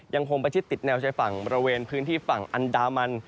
ยังคงประชิดติดแนวชายฝั่งบริเวณพื้นที่ฝั่งอันดามัน